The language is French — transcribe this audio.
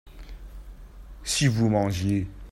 Si vous mangiez.